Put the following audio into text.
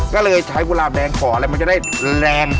ก็เลยใช้เวลาแดงขอแล้วมันจะได้แรง